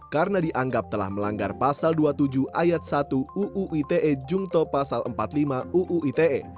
karena dianggap telah melanggar pasal dua puluh tujuh ayat satu uu ite jungto pasal empat puluh lima uu ite